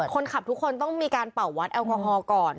ทุกคนต้องมีการเป่าวัดแอลกอฮอล์ก่อน